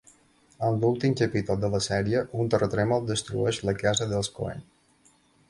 En l'últim capítol de la sèrie, un terratrèmol destrueix la casa dels Cohen.